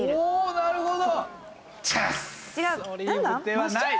なるほど。